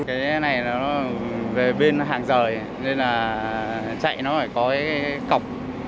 cái này nó về bên hàng rời nên là chạy nó phải có cái cọc